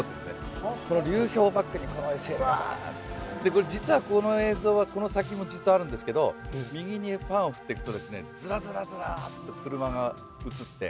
これ実はこの映像はこの先も実はあるんですけど右にパンを振ってくとずらずらずらっと車が映って。